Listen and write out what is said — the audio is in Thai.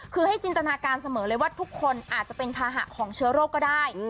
คือให้จินตนาการเสมอเลยว่าทุกคนอาจจะเป็นภาหะของเชื้อโรคก็ได้